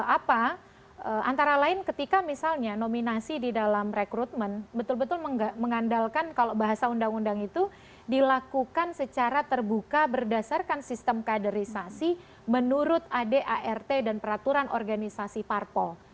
apa antara lain ketika misalnya nominasi di dalam rekrutmen betul betul mengandalkan kalau bahasa undang undang itu dilakukan secara terbuka berdasarkan sistem kaderisasi menurut adart dan peraturan organisasi parpol